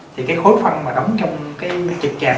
thì cái khối phân mà đóng trong cái trực trà